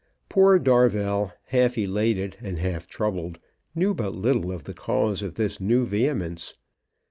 Poor Darvell, half elated and half troubled, knew but little of the cause of this new vehemence.